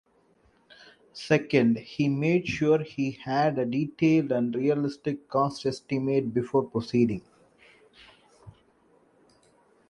Second, he made sure he had a detailed and realistic cost estimate before proceeding.